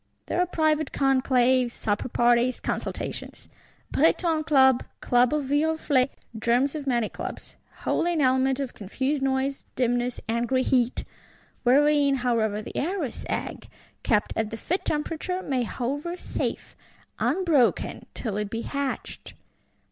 There are private conclaves, supper parties, consultations; Breton Club, Club of Viroflay; germs of many Clubs. Wholly an element of confused noise, dimness, angry heat;—wherein, however, the Eros egg, kept at the fit temperature, may hover safe, unbroken till it be hatched.